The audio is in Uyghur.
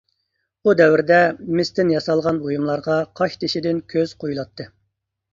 ئۇ دەۋردە مىستىن ياسالغان بۇيۇملارغا قاشتېشىدىن كۆز قۇيۇلاتتى.